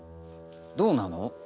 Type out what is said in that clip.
どうなの？